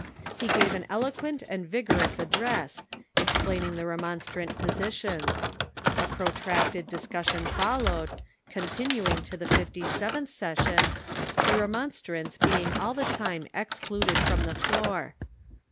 He gave an eloquent and vigorous ad dress, explaining the Remonstrant positions. A protracted dis cussion followed, continuing to the fifty seventh session, the Remonstrants being all the time excluded from the floor.